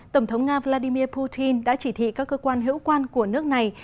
tổng thống nga vladimir putin đã chỉ thị các cơ quan hữu quan của nước này